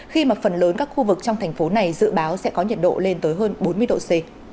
khi mà phần lớn các khu vực trong thành phố này dự báo sẽ có nhiệt độ lên tới hơn bốn mươi độ c